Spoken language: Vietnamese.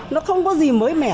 nó không có gì mới mẻ